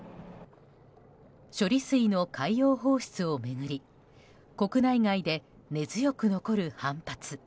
処理水の海洋放出を巡り国内外で根強く残る反発。